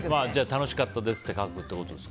楽しかったですって書くってことですか？